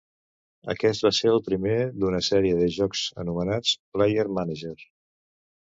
Aquest va ser el primer d'una sèrie de jocs anomenats "Player Manager".